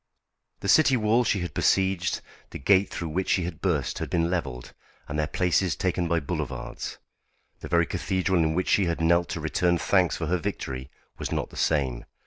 The city walls she had besieged, the gate through which she had burst, had been levelled, and their places taken by boulevards. The very cathedral in which she had knelt to return thanks for her victory was not the same.